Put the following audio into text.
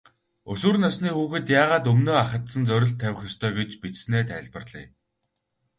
Өсвөр насны хүүхэд яагаад өмнөө ахадсан зорилт тавих ёстой гэж бичсэнээ тайлбарлая.